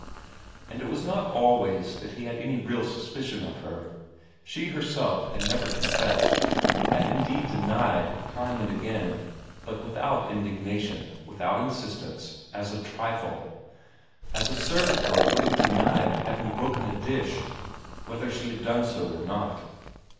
And it was not always that he had any real suspicion of her; she herself had never confessed, had indeed denied time and again, but without indignation, without insistence, as a trifle, as a servant girl would have denied having broken a dish, whether she had done so or not.